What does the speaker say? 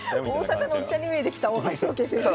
大阪のおっちゃんに見えてきた大橋宗桂先生が。